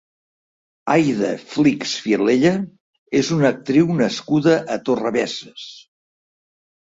Aida Flix Filella és una actriu nascuda a Torrebesses.